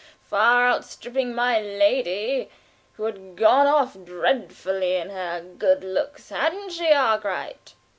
far outstripping my lady, who had gone off dreadfully in her good looks, hadn't she, Arkwright?